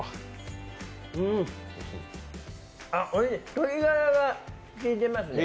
鶏ガラが効いてますね。